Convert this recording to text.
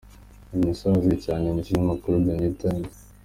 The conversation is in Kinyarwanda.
Uyu musore azwi cyane mu kinyamakuru The New Times.